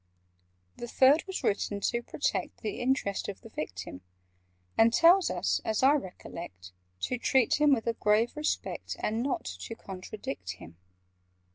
"The Third was written to protect The interests of the Victim, And tells us, as I recollect, To treat him with a grave respect, And not to contradict him."